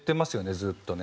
ずっとね